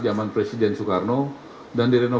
zaman presiden soekarno